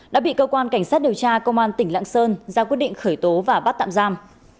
đã bị cơ quan cảnh sát điều tra công an tỉnh lạng sơn ra quyết định khởi tố và bắt tạm giam